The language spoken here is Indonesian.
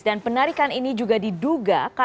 penarikan ini juga diduga